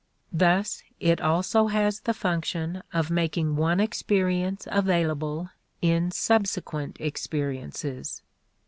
Thus it also has the function of making one experience available in subsequent experiences.